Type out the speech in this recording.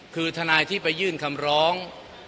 คือทนายที่ไปยื่นคำร้อง